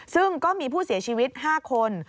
ซึ่งก็มีผู้เสียชีวิต๕คน